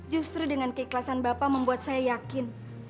justru dengan keikhlasan bapak membuat saya yakin